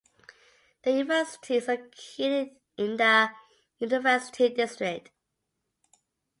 The university is located in the University District.